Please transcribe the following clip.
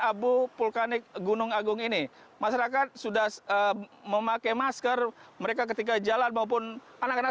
abu vulkanik gunung agung ini masyarakat sudah memakai masker mereka ketika jalan maupun anak anak